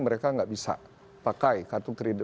mereka nggak bisa pakai kartu kredit